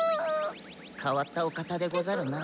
変わったお方でござるな。